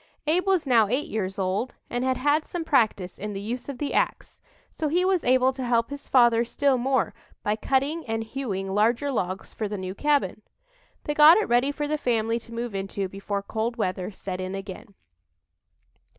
Abe was now eight years old, and had had some practice in the use of the ax, so he was able to help his father still more by cutting and hewing larger logs for the new cabin. They got it ready for the family to move into before cold weather set in again.